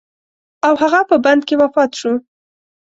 او هغه په بند کې وفات شو.